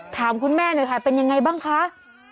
ถามคุณแม่หน่อยค่ะเป็นยังไงบ้างคะ